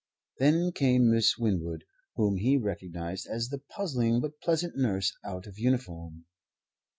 Then came Miss Winwood, whom he recognized as the puzzling but pleasant nurse out of uniform.